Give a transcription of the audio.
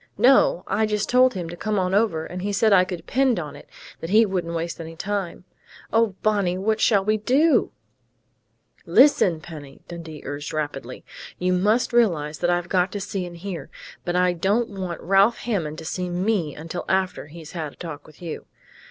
"No. I just told him to come on over, and he said I could depend on it that he wouldn't waste any time.... Oh, Bonnie! What shall we do?" "Listen, Penny!" Dundee urged rapidly. "You must realize that I've got to see and hear, but I don't want Ralph Hammond to see me until after he's had a talk with you.